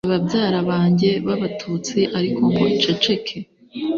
zishe babyara banjye b'Abatutsi ariko ngo nceceke